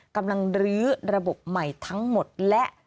กำลังรื้อระบบใหม่ทั้งหมดและ